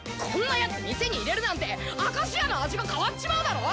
こんなやつ店に入れるなんて明石屋の味が変わっちまうだろ！